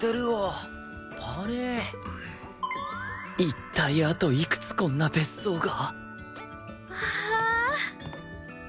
一体あといくつこんな別荘がわあ！